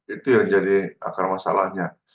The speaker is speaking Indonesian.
itu yang jadi akar masalahnya